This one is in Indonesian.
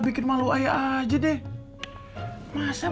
bhaka nggak ada sia sia